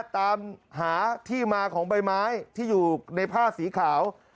ตามหาที่มาของใบไม้ที่อยู่ในผ้าสีขาว